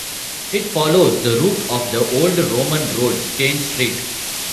It follows the route of the old Roman road Stane Street.